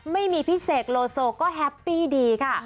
ไม่มีพี่เสกโลโซก็แฮปปี้ดีค่ะ